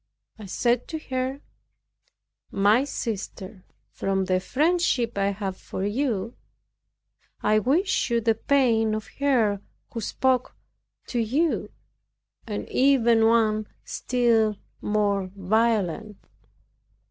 I said to her, "My sister, from the friendship I have for you I wish you the pain of her who spoke to you, and even one still more violent."